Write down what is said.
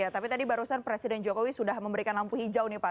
tapi tadi barusan presiden jokowi sudah memberikan lampu hijau nih pak